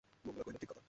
মঙ্গলা কহিল, ঠিক কথা।